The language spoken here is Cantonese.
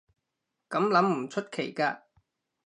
噉諗唔出奇㗎